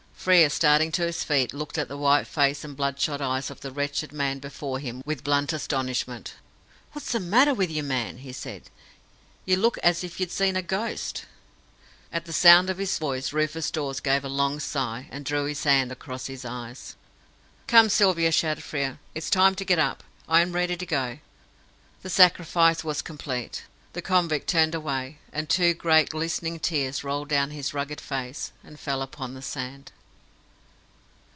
Frere, starting to his feet, looked at the white face and bloodshot eyes of the wretched man before him with blunt astonishment. "What's the matter with you, man?" he said. "You look as if you'd seen a ghost!" At the sound of his voice Rufus Dawes gave a long sigh, and drew his hand across his eyes. "Come, Sylvia!" shouted Frere. "It's time to get up. I am ready to go!" The sacrifice was complete. The convict turned away, and two great glistening tears rolled down his rugged face, and fell upon the sand.